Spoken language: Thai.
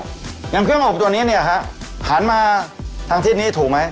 อย่างเครื่องอบตัวนี้เนี่ยฮะหันมาทางทิศนี้ถูกไหม